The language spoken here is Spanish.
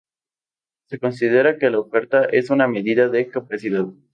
Se considera que la oferta es una medida de capacidad.